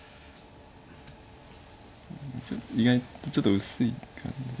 意外とちょっと薄いかな。